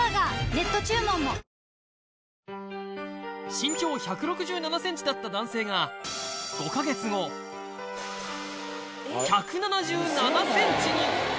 身長１６７ｃｍだった男性が１７７ｃｍに！